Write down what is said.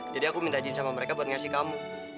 jadi aku minta jin sama mereka buat ngasih kamu